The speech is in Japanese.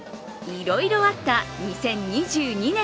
いろいろあった２０２２年。